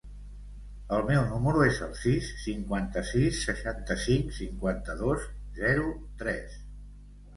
El meu número es el sis, cinquanta-sis, seixanta-cinc, cinquanta-dos, zero, tres.